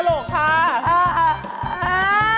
สุดแม่